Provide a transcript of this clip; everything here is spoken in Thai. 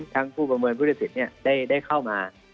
ทั้งผู้บังเมินผู้ตัดสินเนี่ยได้เข้ามา